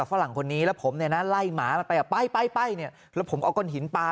ก็หลังคนนี้แล้วผมไล่หมาไปไปแล้วผมเอากล่นหินปลา